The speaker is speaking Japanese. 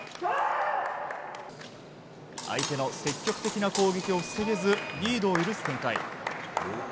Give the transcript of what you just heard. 相手の積極的な攻撃を防げずリードを許す展開。